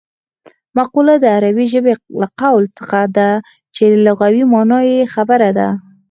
مقوله د عربي ژبې له قول څخه ده چې لغوي مانا یې خبره ده